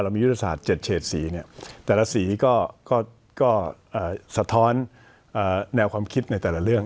เรามียุทธศาสตร์เจ็ดเฉดสีเนี้ยแต่ละสีก็ก็ก็อ่าสะท้อนอ่าแนวความคิดในแต่ละเรื่อง